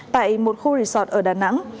tại một khu resort ở đà nẵng